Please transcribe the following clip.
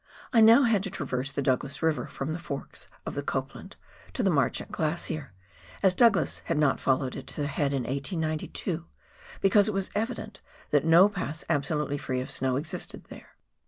I now had to traverse the Douglas River from the forks of the Copland to the Marchant Glacier, as Douglas had not followed it to the head in 1892, because it was evident that no pass absolutely free of snow existed here.